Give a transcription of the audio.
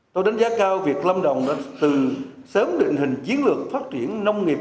tôi đánh giá cao việc lâm đồng đã từ sớm định hình chiến lược phát triển nông nghiệp